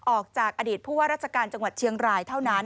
ออกจากอดีตผู้ว่าราชการจังหวัดเชียงรายเท่านั้น